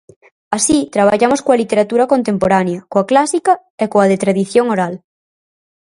Así, traballamos coa literatura contemporánea, coa clásica e coa de tradición oral.